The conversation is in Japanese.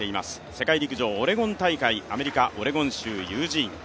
世界陸上オレゴン大会アメリカ・オレゴン州ユージーン